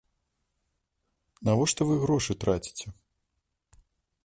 Навошта вы грошы траціце?